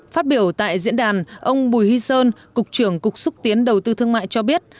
phát biểu tại diễn đàn ông bùi hy sơn cục trưởng cục xúc tiến đầu tư thương mại cho biết